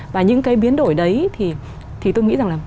và những cái biến đổi đấy thì tôi nghĩ rằng là